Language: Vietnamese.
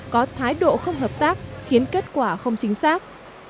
có thái độ không hợp tác khiến kết quả không chính xác